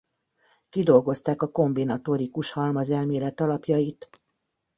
Kidolgozták a kombinatorikus halmazelmélet alapjait.